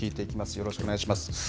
よろしくお願いします。